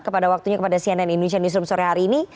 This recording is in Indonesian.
kepada waktunya kepada cnn indonesia newsroom sore hari ini